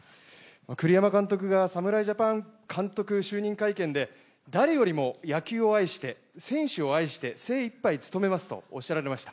栗山監督が侍ジャパン監督就任会見で誰よりも野球を愛して選手を愛して、精いっぱい務めますとおっしゃられました。